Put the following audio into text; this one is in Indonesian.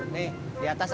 nih di atasnya